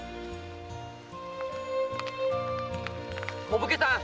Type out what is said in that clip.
お武家さん！